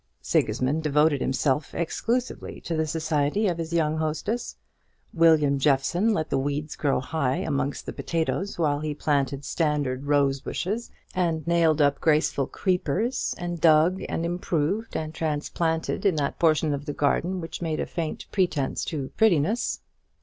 Sigismund devoted himself exclusively to the society of his young hostess. William Jeffson let the weeds grow high amongst the potatoes while he planted standard rose bushes, and nailed up graceful creepers, and dug, and improved, and transplanted in that portion of the garden which made a faint pretence to prettiness.